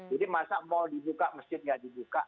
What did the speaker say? jadi masa mau dibuka masjid nggak dibuka